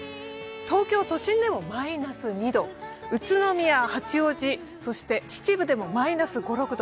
東京都心でもマイナス２度宇都宮、八王子、そして秩父でもマイナス５６度。